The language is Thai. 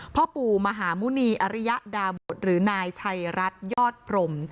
พ่อปู่มหาหมุณีอริยดาบุตรหรือนายชัยรัฐยอดพรม